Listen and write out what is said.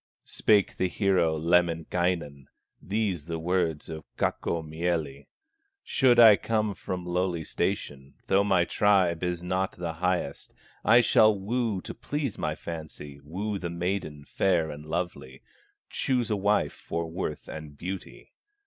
Spake the hero, Lemminkainen, These the words of Kaukomieli: "Should I come from lowly station, Though my tribe is not the highest, I shall woo to please my fancy, Woo the maiden fair and lovely, Choose a wife for worth and beauty."